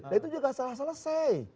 dan itu juga salah selesai